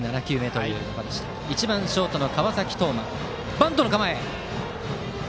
１番ショート、川崎統馬はバントの構え。